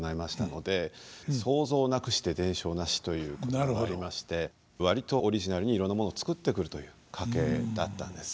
「創造なくして伝承なし」ということがありまして割とオリジナルにいろんなものを作ってくるという家系だったんです。